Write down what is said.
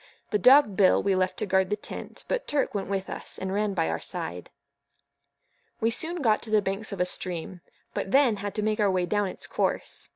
The dog Bill we left to guard the tent, but Turk went with us, and ran by our side. We soon got to the banks of a stream; but then had to make our way down its course.